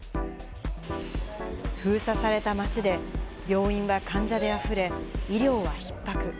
封鎖された町で、病院は患者であふれ、医療はひっ迫。